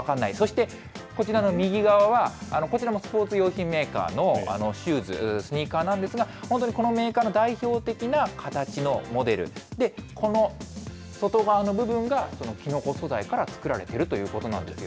そして、こちらの右側は、こちらもスポーツ用品メーカーのシューズ、スニーカーなんですが、本当にこのメーカーの代表的な形のモデルで、この外側の部分が、そのキノコ素材から作られているということなんですよ。